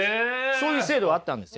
そういう制度があったんですよ。